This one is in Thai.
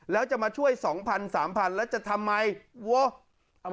แล้วจะมาช่วย๒๐๐๓๐๐แล้วจะทำไมวะ